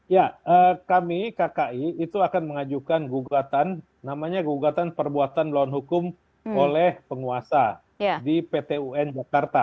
ya kami kki itu akan mengajukan gugatan namanya gugatan perbuatan melawan hukum oleh penguasa di pt un jakarta